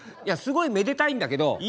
いやすごいめでたいんだけど。